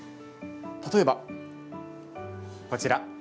例えば、こちら。